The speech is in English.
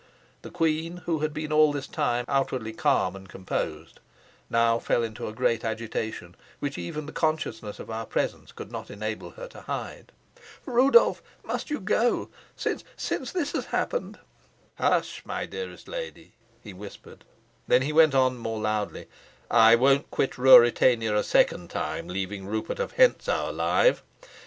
The queen, who had been all this time outwardly calm and composed, now fell into a great agitation, which even the consciousness of our presence could not enable her to hide. "Rudolf, must you go? Since since this has happened " "Hush, my dearest lady," he whispered. Then he went on more loudly, "I won't quit Ruritania a second time leaving Rupert of Hentzau alive.